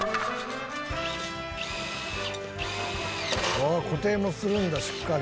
ああ固定もするんだしっかり。